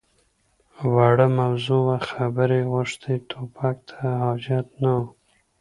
_وړه موضوع وه، خبرې يې غوښتې. ټوپک ته حاجت نه و.